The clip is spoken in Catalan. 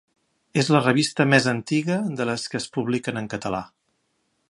És la revista més antiga de les que es publiquen en català.